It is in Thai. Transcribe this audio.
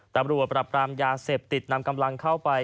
ตำรวจปรับปรามยาเสพติดนำกำลังเข้าไป